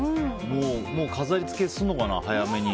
もう飾りつけするのかな、早めに。